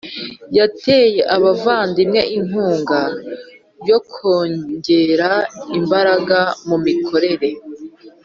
Yateye abavandimwe inkunga yo kongera imbaraga mu mikorere